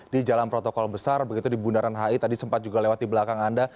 di jalan protokol besar begitu di bundaran hi tadi sempat juga lewat di belakang anda